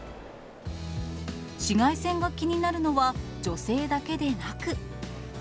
紫外線が気になるのは女性だけではなく。